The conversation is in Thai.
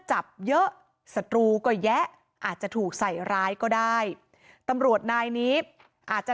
จับเยอะศัตรูก็แยะอาจจะถูกใส่ร้ายก็ได้ตำรวจนายนี้อาจจะ